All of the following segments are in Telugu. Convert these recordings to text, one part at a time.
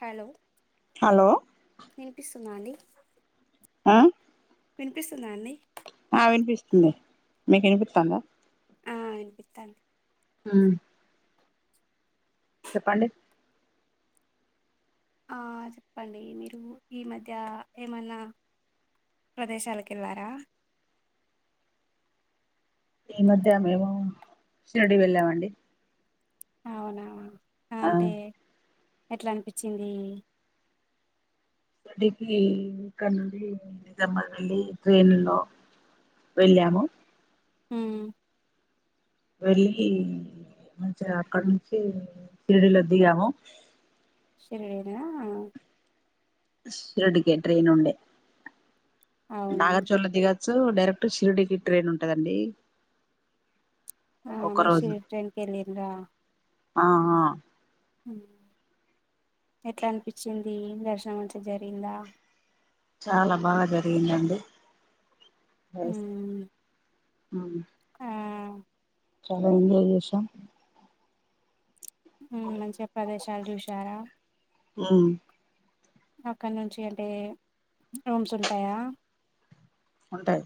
హలో హలో వినిపిస్తుందా అండి ఆ వినుపిస్తుందా అండీ నిపిస్తుంది మీ కినిపిత్తందా ఆ వినిపిత్తంది ఉం చెప్పండి చెప్పండి మీరు ఈ మధ్య ఏమన్నా ప్రదేశాలకు వెళ్ళారా ఈ మధ్య మేము శిరిడి వెళ్ళామండి అవునా అ ఆ అంటే ఎట్లా అనిపిచింది షిరిడికి ఇక్కనుండి నిజాబాద్ వెల్లి ట్రైన్ లో వెళ్ళాము ఉం వెళ్ళి మంచిగా అక్కడ నుంచి శిరిడీల దిగాము షిరిడి నా షిరిడి కే ట్రెైన్ ఉండే అవునా నాగా చొల్లే దిగద్ సు డైరెక్ట్ షిరిడికి ట్రైన్ ఉంటదండి ఆ ఒక మేషి రోజు ట్రైన్ కెళ్లిండ్రా ఆ హ ఉం ఎట్లా అనిపించింది దర్శనం మంచిగ జరిగిందా చాలా బాగా జరిగిందండి వైస్ ఉమ్ అవునా ఆ చాలా ఎంజాయ్ చేసాం ఉం మంచిగా ప్రదేశాలు చూసారా ఉం అక్కడ నుంచి అంటే రూమ్స్ ఉంటాయా ఉంటయి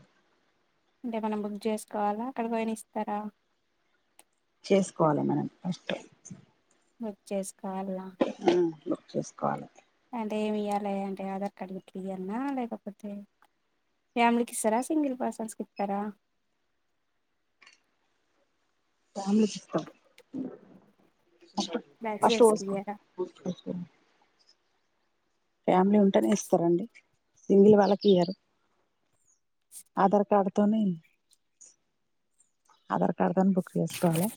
అంటే మనం బుక్ చేసుకోవాలా అక్కడ పోయిన ఇస్తారా చేసుకోవాలే మనం ఫస్ట్ బుక్ చేేస్ ఆ చేసుకోవాలే అంటే ఏమి ఇయ్యాలే అంటే ఆధార్ కార్డ్ గిట్లియన్నా లేకపోతే ఫ్యామిలీకి ఇస్తారా సింగిల్ పర్సన్స్కి ఇత్తరా ఫ్యామిలీకి ఇస్తాం ఫస్ట్ బ్యాచిలర్స్ కి పోసుకో ఇయ్యారా ఫ్యామిలీ ఉంటేనే ఇస్తారండి సింగిల్ వాళ్ళకి ఇయ్యరు ఆధార్ కార్డ్ తోని ఆధార్ కార్డ్ తోని బుక్ చేసుకోవాలే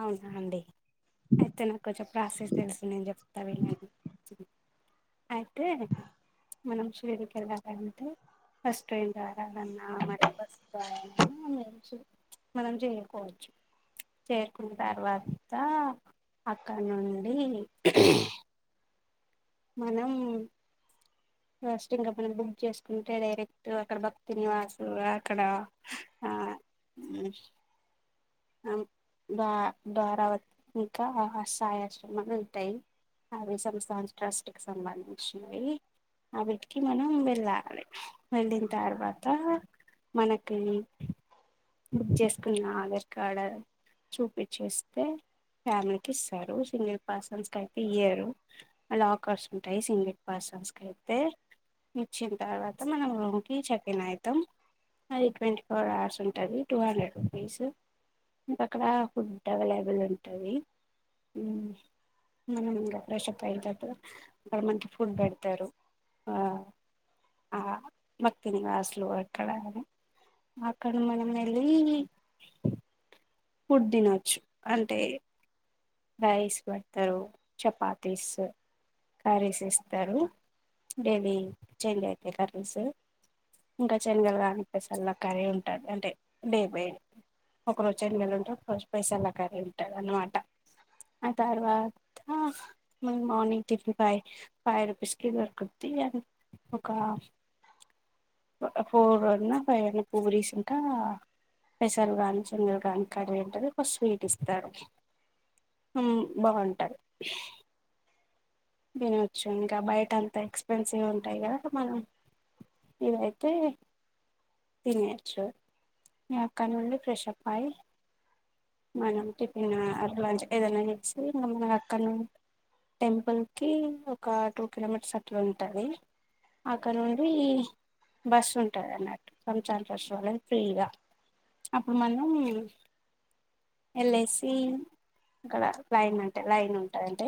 అవునా అండి అయితే నాకు కొంచెం ప్రాసెస్ తెలుసు నేను చెప్తా వినండి అయితే మనం షిర్డీ కి వెళ్ళాలంటే ఫస్ట్ ట్రైన్ ద్వారా అయినా [unintelligible] మనం చేయకపోవచ్చు చేరుకున్న తర్వాత అక్కడ నుండి మనం ఫస్ట్ ఇంకా మనం బుక్ చేసుకుంటే డైరెక్ట్ అక్కడ భక్తి నివాసు అక్కడ ఆ ఉ ఆమ్ ద ద్వారా వాతి నంక సాయి ఆశ్రమాలు ఉంటాయి అవి సంస్థా న ట్రస్ట్ కు సంబంధించినవి అవిటికి మనం వెళ్ళాలి వెళ్ళిన తర్వాత మనకి బుక్ చేసుకున్న ఆధార్ కార్డ్ చూపిచ్చేస్తే ఫ్యామిలీకి ఇస్తారు సింగిల్ పర్సన్స్ కి అయితే ఇయ్యరు లాకర్స్ ఉంటాయి సింగిల్ పర్సన్స్ కి అయితే ఇచ్చిన తర్వాత మనం రూమ్ కి చెక్ ఇన్ అయితాం అది ట్వంటీ ఫోర్ అవర్స్ ఉన్ ఉంటది టూ హండ్రెడ్ రూపీస్ ఇంక అక్కడ ఫుడ్ అవైలబుల్ ఉంటది యూ మనం ఇంకా ఫ్రెష్ అప్ అయిన తర్వాత అక్కడ మకి ఫుడ్ పెడతారు ఆ ఆ భక్తి నివాస్ లో ఎక్కడ ఆది అక్కడ మనం వెళ్లి ఫుడ్ తిన్నొచు అంతే రైస్ పెడతారు చపాతీస్ కర్రీస్ ఇస్తారు డైలీ చెంజ్ అయితాయి కర్రీస్ ఇంకా శనగలు కాని పెసల్ల కర్రీ ఉంటాది అంటే డే బైడే ఒక రోజు సెనగలు ఉంటే ఒక రోజు పెసల్ల కర్రీ ఉంటది అన్నమాట ఆ తర్వాత మార్నింగ్ మా టిఫెన్ ఫైవ్ ఫైవ్ రుపీస్ కి దొరుకుద్ది అండ్ ఒక్క ఫోర్ అన్న ఫైవ్ అన్న పూరిస్ ఇంకా పెసలు గాని సెనగలు కానీ కర్రీ ఉంటది ఒక స్వీట్ ఇస్తారు. ఉహ్మ్ బాగుంటది తినొచ్చు ఇంకా బయట అంత ఎక్స్పెన్సివ్ ఉంటాయి కదా మనం ఏదైతే తినేయొచ్చు ఇన్ అక్కడ నుంచి ఫ్రెష్ అప్ అయ్యి మనం టిఫిన్ యూ లంచ్ ఏదైనా ఇట్స్ మనం అక్కడ నుంచి టెంపుల్ కి ఒక్క టూ కిలోమీటర్స్ అట్ల ఉంటది అక్కడ నుండి బస్సు ఉంటది అన్నట్టు కొంచాన్ ట్రస్ట్ వాళ్ళది ఫ్రీగా అప్పుడు మనం వెళ్లేసి అక్కడ లైన్ అంటే లైన్ ఉంటాది అంటే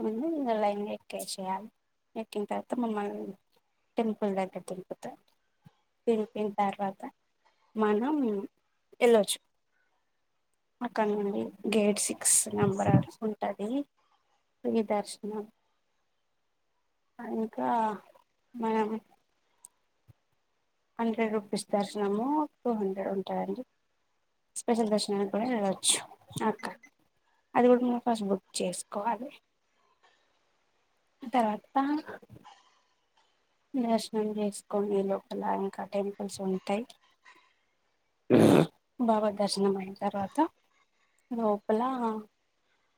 అమన్ వున్ ఇంకా లైన్ గా ఎక్కేసేయాలి ఎక్కిన తర్వాత మమ్మల్ని టెంపుల్ దగ్గర దిరుపుతారు దింపిన తర్వాత మనం వెళ్ళొచ్చు అక్కడ నుండి గేట్ సిక్స్ నంబర్ ఆ ఉంటది దర్శనం ఆ ఇంకా మనం హండ్రెడ్ రూపీస్ దర్శనము టూ హండ్రెడ్ ఉంటాయండి స్పెషల్ దర్శనం అక్కడ వెళ్లొచ్చు అక్క అది కూడా మనం ఫస్ట్ బుక్ చేసుకోవాలి తర్వాత దర్శనం చేసుకొని లోపల ఇంకా టెంపుల్స్ ఉంటాయి బాబా దర్శనం అయిన తర్వాత లోపల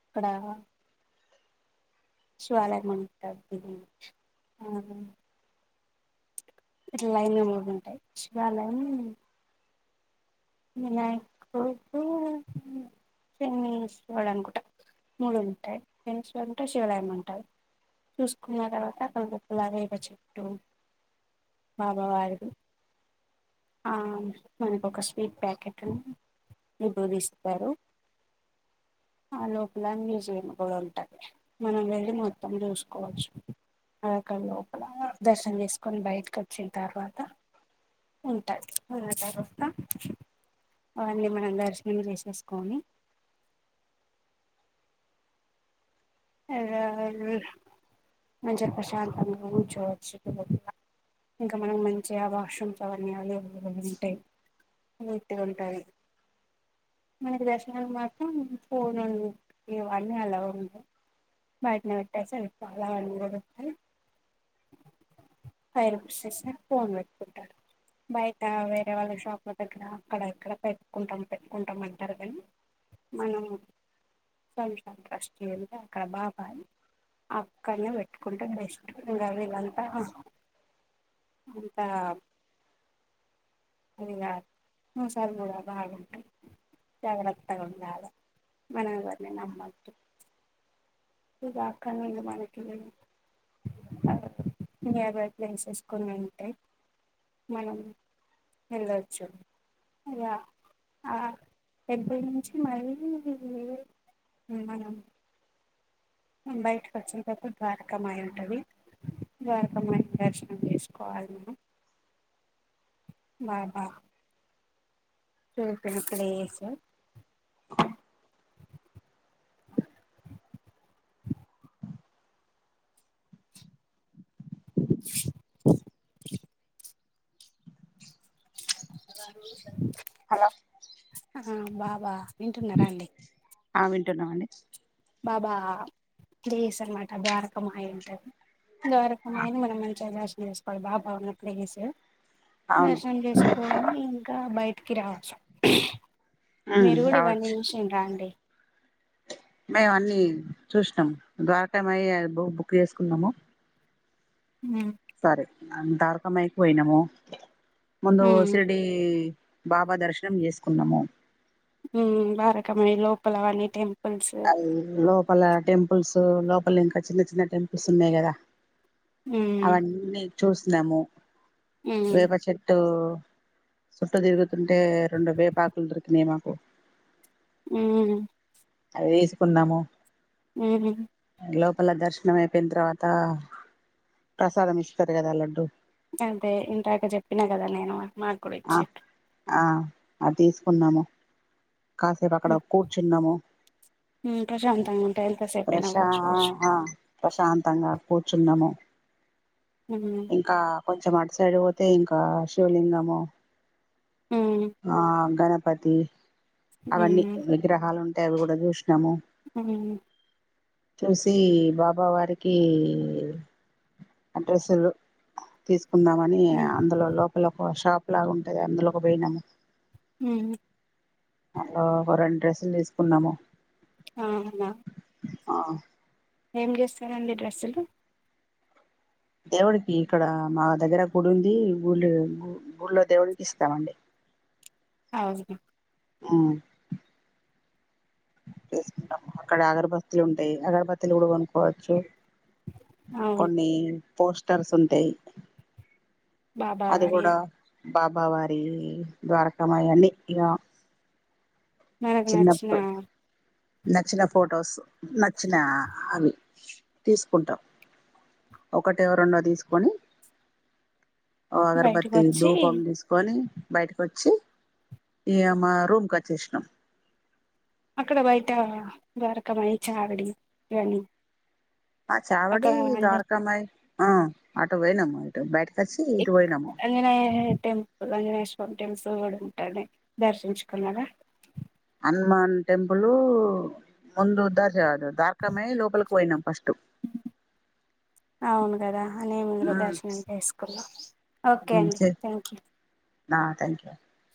అక్కడ శివాలయం ఉంటది ఆ ఇట్ల లైన్ గా మూడు ఉంటాయి శివాలయం వినాయకుడు శనీశ్వడు అనుకుంటా మూడు ఉంటాయి శనీశ్వడు ఉంటే శివాలయం అంటారు చూసుకున్న తర్వాత [unintelligible] వ చెట్టు బాబా వారి గు ఆ మనకు ఒక్క విబ్ ప్యాకెట్లను విభూది ఇస్తారు ఆ లోపల మ్యూజియం కూడా ఉంటది మనం వెళ్ళి మొత్తం చూసుకోవచ్చు అక్కడ లోపల దర్శనం చేసుకొని బయటకు వచ్చిన తర్వాత ఉంటది ఉన్న తర్వాత అవన్నీ మనం దర్శనం చేసేసుకొని మంచిగా ప్రశాంతంగా ఉంచోవచ్చు ఇంకా మనం మంచిగా వాష్రూమ్స్ అవ్వనీ అల్లో స్టై నీట్ గా ఉంటది మనకి దర్శనాలు మాత్రం పోనోలు ఇవన్నీ అల్లో ఉండవ్ బయట నే పెట్టేసి వెళ్తా వాళ్ళు కూడా ఫైవ్ రిపీస్ కి ఫోన్ పెట్టుకుంటారు బయట వేరే వాళ్ళ షాప్ లా దగ్గర అక్కడ ఇక్కడ పెట్టుకుంటాం పెట్టుకుంటాం అంటారు కానీ మనం వల్ల కాడ ట్రస్ట్ ఉండ అక్కడ బాబా అని అక్కడనే పెట్టుకుంటే బెస్ట్ ఇంకా వీళ్ళు అంతా ఇంకా అది కాదు మోసాలు కూడా బాగుంటాయి జాగ్రత్తగా ఉండాలే మనం ఎవరిని నమ్మొద్దు ఇంకా అక్కడ నుండి మనకి నియర్ బై ప్లేసెస్ కొని ఉంటే మనం వెళ్లొచ్చు ఇంకా ఆ టెంపుల్ నుంచి మరి మనం యూ బయటకు వచ్చిన తర్వాత ద్వారకమ్మయి ఉంటది ద్వారకమ్మయి దర్శనం చేసుకోవాలి మనం బా బా టో పెన్ ప్లేస్ యూ అ పదారు హలో వా వింటున్నారా అండి ఆ వింటున్నామండి బాబా ప్లేస్ అన్నమాట ద్వారకమాయి ఉంటది ద్వారకమాయి లో మనం మంచిగా దర్శనం చేసుకోవాలి బాబా ఉన్న ప్లేస్ అవును దర్శనం చేసుకొని ఇంకా బాయ్ కీరా మీరు కూడా ఇవన్నీ రావచ్చు [unintelligible] అండి మేము అన్నీ చూసినాం ద్వరకామ బుక్ చేసుకున్నాము హు సరే దార్క మకి పోయినము ముందు ఉమ్ సిరిడి బాబ దర్శనం చేసుకున్నాము [unintelligible] లోపల టెంపుల్స్ లోపల ఇంకా చిన్న చిన్న టెంపుల్స్ ఉన్నాయి కదా ఉమ్ అవన్నీ చూసినాము ఉమ్ వేపచెట్టు సుట్ట తిరుగుతుంటే రెండు వేపాకులు దొరికినాయి మాకు ఉమ్ వేసుకున్నాము ఉ లోపల దర్శనం అయిపోయిన తర్వాత ప్రసాదం ఇస్తారు కదా లడ్డు అదే ఇంతాక చెప్పిన కదా నేను ఆ మాకుడిచి ఆ అది తీసుకున్నాము కాసేపు అక్కడ కూర్చున్నాము హ్మ్ ప్రశాంతంగా ఉంటాయి ఎంతసేపైనా ప్రశా కూర్చోవచ్చు. ప్రశాంతంగ కూర్చున్నాము హ్మ్ ఇంకా కొంచెం అటు సైడు పోతే ఇంకా శివలింగము హ్మ్ ఆ గర పటి అవన్నీ విగ్రహాలు [unintelligible] హు చూసి బాబ వారికి అడ్రస్లు తీస్ కుందామని హ్మ్ అందులో లోప ఒక షాప్ ఇలాగ ఉంటది అందులో ఒక పోయినాము హు అ ఒక రెండు డ్రెస్సులు తీసుకున్నాము ఆన అ ఏం చేస్తారండి డ్రస్సులు దేవుడికి ఇక్కడ మా దగ్గర గుడి ఉంది గుళ్ళ గుళ్ళో దేవుడికి ఇస్తామండి అ ఆ చేసుకుంటాము అక్కడ అగరబత్లు ఉంటాయి అగరబత్తీలు కూడా కొనుక్కోవచ్చు అవును కొన్ని పోస్టర్స్ ఉంటాయి బాబా అది వాడి కూడా బాబావారి ద్వారకామా అన్నీ ఇక మనకు నచ్చిన చిన్నప్పుడు నచ్చిన ఫొటోస్ నచ్చిన అవి తీసుకుంటాం ఒకటో రెండో తీసుకొని ఓ బయటకు అగరబత్తి వచ్చి ధూపం తీసుకొని బయటకు వచ్చి ఈ మా రూమ్కి వచ్చేసాం అక్కడ బయట వరకంయ చారడి ఇవని ఆ చావడి ద్వార్కమయి ఆ అటు పోయినము బ అనే టెంపుల్ అనేవ కంటెమ్స్ కూడా ఉంటాడు దర్శించుకున్నాడా హనుమాన్ టెంపుల్ ముందు దదు దార్కామయ లోపలికి పోయినాం ఫస్ట్ అవును కదా నే మురు దర్శనం చేసుకున్నా ఓకే అండి థ్యాంక్ యూ ఆ థ్యాంక్ యూ